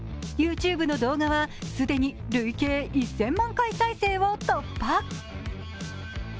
ＹｏｕＴｕｂｅの動画は既に累計１０００万回再生を突破。